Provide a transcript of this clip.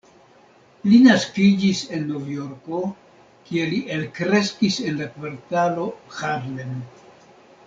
Li naskiĝis en Novjorko, kie li elkreskis en la kvartalo Harlem.